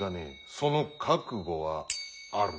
その覚悟はあるんだな？